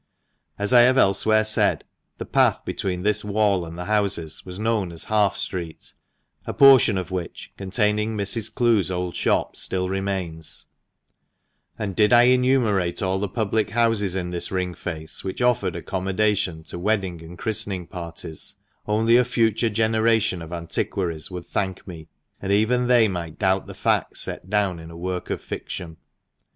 As I have elsewhere said, the path between this wall and the houses was known as Half Street, a portion of which, containing Mrs. Clowes' old shop, still remains ; and did I enumerate all the public houses in this ring fence which offered accommodation to wedding and christening parties, only a future generation of antiquaries would thank me ; and even they might doubt the facts set down in a work of fiction.